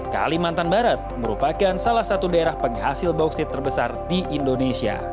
kalimantan barat merupakan salah satu daerah penghasil bauksit terbesar di indonesia